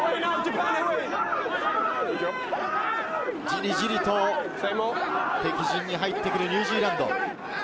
ジリジリと敵陣に入ってくるニュージーランド。